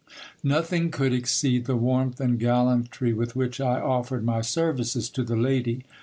Nothing could exceed the warmth and gallantry with which I offered my services to the ladv.